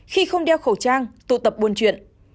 khi không đeo khẩu trang tụ tập buôn chuyện